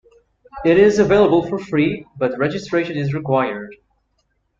It is available for free, but registration is required.